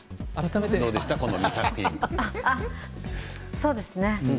そうですね